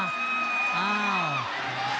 ชี้กันไปชี้กันมา